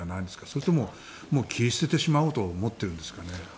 それとも、もう切り捨ててしまおうと思っているんですかね？